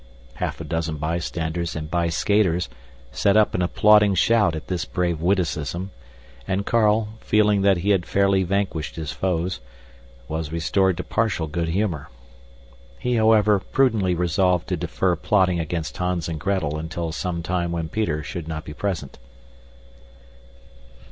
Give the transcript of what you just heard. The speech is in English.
Half a dozen bystanders and byskaters set up an applauding shout at this brave witticism; and Carl, feeling that he had fairly vanquished his foes, was restored to partial good humor. He, however, prudently resolved to defer plotting against Hans and Gretel until some time when Peter should not be present.